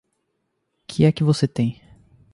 Que é que você tem?